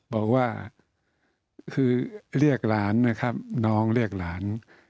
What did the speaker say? บอกว่าคือเรียกหลานนะครับน้องเรียกหลาน